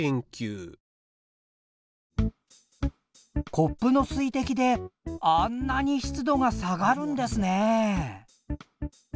コップの水滴であんなに湿度が下がるんですね！